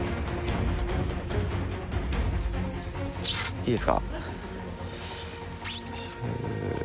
いいですか？